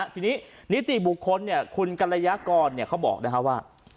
ทีนี้นิติบุคคลเนี่ยคุณกรยากรเขาบอกนะครับว่า